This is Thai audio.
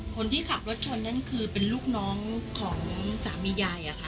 คนที่ขับรถชนนั่นคือเป็นลูกน้องของสามียายอะค่ะ